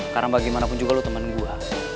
karena bagaimanapun juga lo temen gue